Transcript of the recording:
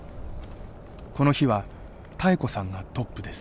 この日は妙子さんがトップです。